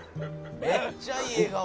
「めっちゃいい笑顔」